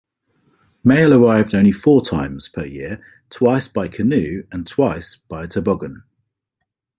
Mail arrived only four times per year, twice by canoe and twice by toboggan.